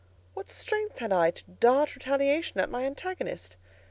What strength had I to dart retaliation at my antagonist?